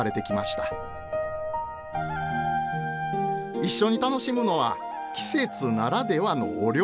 一緒に楽しむのは季節ならではのお料理！